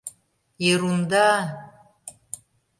— Ерунда!